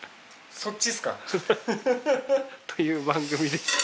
そっちっすか？という番組でして。